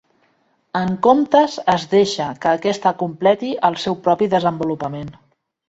En comptes es deixa que aquesta completi el seu propi desenvolupament.